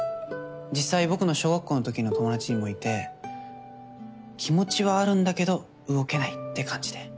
実際僕の小学校のときの友達にもいて気持ちはあるんだけど動けないって感じで。